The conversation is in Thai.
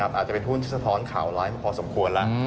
อาจจะเป็นหุ้นที่สะท้อนข่าวร้ายมาพอสมควรแล้ว